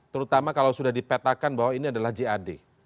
terutama kalau sudah dipetakan bahwa ini adalah jad